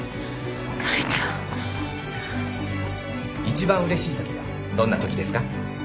一番うれしいときはどんなときですか？